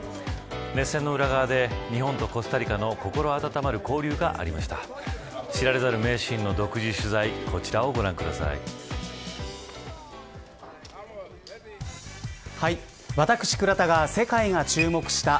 熱戦の裏側で日本とコスタリカの心温まる交流がありました。